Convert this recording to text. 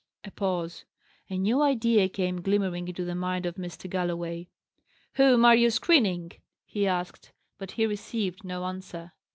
A pause. A new idea came glimmering into the mind of Mr. Galloway. "Whom are you screening?" he asked. But he received no answer.